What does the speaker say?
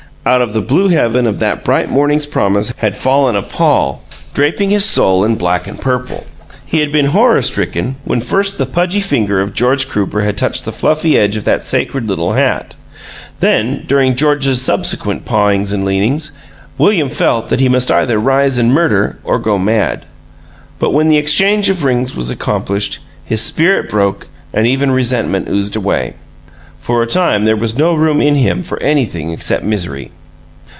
Out of the blue heaven of that bright morning's promise had fallen a pall, draping his soul in black and purple. He had been horror stricken when first the pudgy finger of George Crooper had touched the fluffy edge of that sacred little hat; then, during George's subsequent pawings and leanings, William felt that he must either rise and murder or go mad. But when the exchange of rings was accomplished, his spirit broke and even resentment oozed away. For a time there was no room in him for anything except misery.